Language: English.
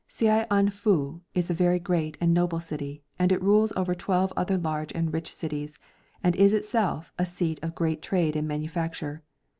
Saianfu is a very great and noble city, and it rules over twelve other large and rich cities, and is itself a seat of great trade and manufacture.